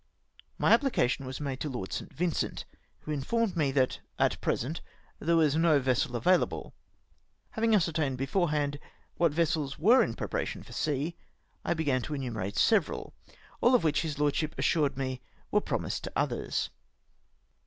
My apphcation was made to Lord St. Vincent, wdio mformed me that at present there w^as no vessel avail able. Having ascertained beforehand what vessels were in preparation for sea, I began to enumerate several, all of which his lordship assured me were pro .mised to others.